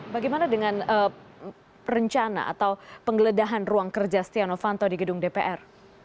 bagaimana dengan rencana atau penggeledahan ruang kerja stiano fanto di gedung dpr